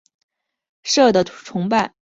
社的崇拜随着分封领土而制度化。